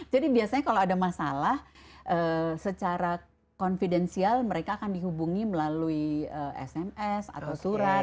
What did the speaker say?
jadi biasanya kalau ada masalah secara confidential mereka akan dihubungi melalui sms atau surat